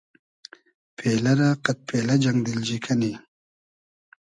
پېلۂ رۂ قئد پېلۂ جئنگ دیلجی کئنی